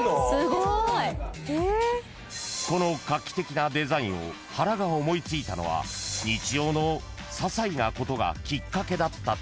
［この画期的なデザインを原が思い付いたのは日常のささいなことがきっかけだったという］